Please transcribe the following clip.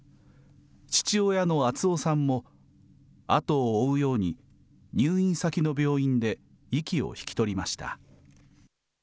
父親の敦雄さんも後を追うように、入院先の病院で息を引き取りました。